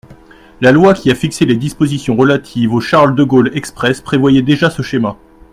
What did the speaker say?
La loi qui a fixé les dispositions relatives au Charles-de-Gaulle Express prévoyait déjà ce schéma.